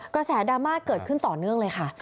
กระแสดราม่าเกิดขึ้นต่อเนื่องเลยค่ะ